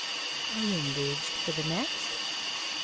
"Are you engaged for the next?"